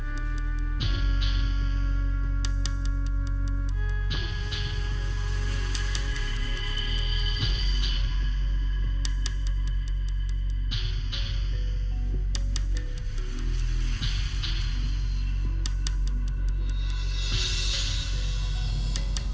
ujung cari makanan dulu ya mak